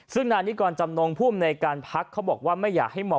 ซึ่งนานนี้ก่อนจำนงภูมิในการพักเขาบอกว่าไม่อยากให้มอง